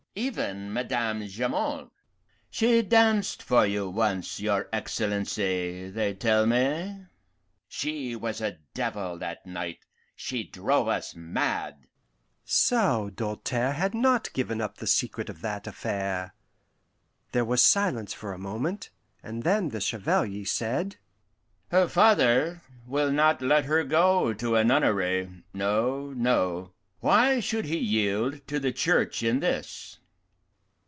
"Even Madame Jamond." "She danced for you once, your Excellency, they tell me." "She was a devil that night; she drove us mad." So Doltaire had not given up the secret of that affair! There was silence for a moment, and then the Chevalier said, "Her father will not let her go to a nunnery no, no. Why should he yield to the Church in this?"